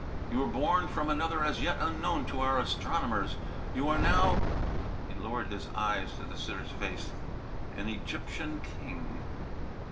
You were born from another as yet unknown to our astronomers. You are now" he lowered his eyes to the sitter's face "an Egyptian king."